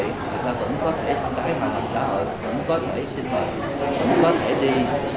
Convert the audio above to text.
người ta vẫn có thể sáng tái mà làm sao vẫn có thể sinh hoạt vẫn có thể đi